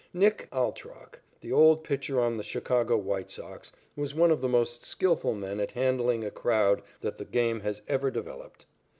"Nick" Altrock, the old pitcher on the Chicago White Sox, was one of the most skilful men at handling a crowd that the game has ever developed.